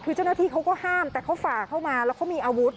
คือเจ้าหน้าที่เขาก็ห้ามแต่เขาฝ่าเข้ามาแล้วเขามีอาวุธ